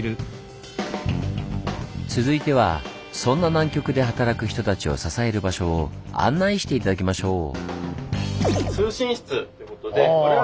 続いてはそんな南極で働く人たちを支える場所を案内して頂きましょう！